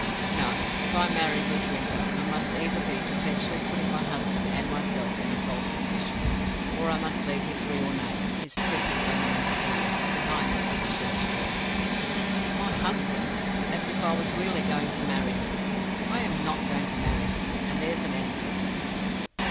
No. If I marry Midwinter, I must either be perpetually putting my husband and myself in a false position or I must leave his real name, his pretty, romantic name, behind me at the church door. "My husband! As if I was really going to marry him! I am not going to marry him, and there's an end of it.